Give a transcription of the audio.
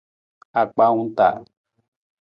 Akpaawung taa.